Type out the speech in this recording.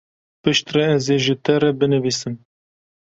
Piştre ez ê ji te re binivîsim.